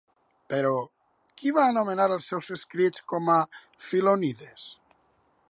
Però, qui va anomenar els seus escrits com a Filonides?